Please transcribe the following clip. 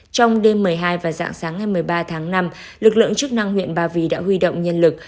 trong đêm một mươi hai và dạng sáng ngày một mươi ba tháng năm lực lượng chức năng huyện ba vì đã huy động nhân lực